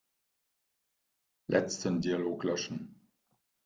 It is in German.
Letzten Dialog löschen.